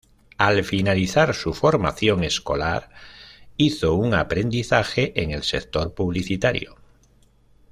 Al finalizar su formación escolar hizo un aprendizaje en el sector publicitario.